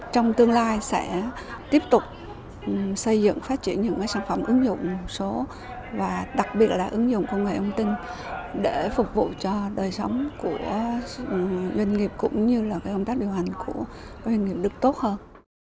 trong tương lai sẽ tiếp tục xây dựng phát triển những sản phẩm ứng dụng số và đặc biệt là ứng dụng công nghệ thông tin để phục vụ cho đời sống của doanh nghiệp cũng như là công tác điều hành của doanh nghiệp được tốt hơn